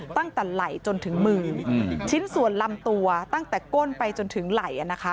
ตั้งแต่ไหล่จนถึงมือชิ้นส่วนลำตัวตั้งแต่ก้นไปจนถึงไหล่